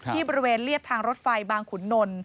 บริเวณเรียบทางรถไฟบางขุนนล